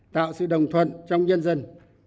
tạo sự đồng thuận trong nhân dân